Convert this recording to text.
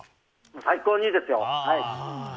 最高にいいですよ。